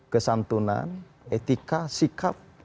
kesantunan etika sikap